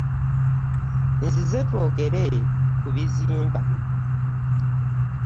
Nzinze twogere ku bizimba.